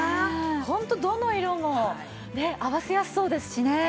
ホントどの色も合わせやすそうですしね。